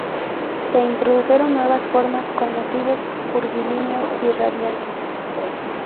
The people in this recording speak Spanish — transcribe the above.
Se introdujeron nuevas formas, con motivos curvilíneos y radiantes.